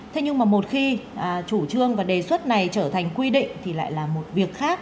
thế nhưng mà một khi chủ trương và đề xuất này trở thành quy định thì lại là một việc khác